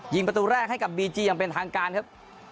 ประตูแรกให้กับบีจีอย่างเป็นทางการครับ